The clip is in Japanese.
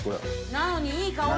なのにいい香り！